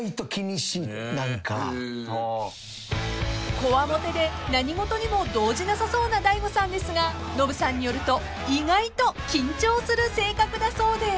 ［こわもてで何ごとにも動じなさそうな大悟さんですがノブさんによると意外と緊張する性格だそうで］